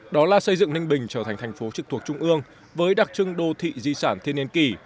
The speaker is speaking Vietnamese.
đó là xây dựng ninh bình trở thành thành phố trực thuộc trung ương với đặc trưng đô thị di sản thiên nhiên kỳ